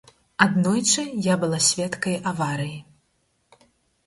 Аднойчы я была сведкай аварыі.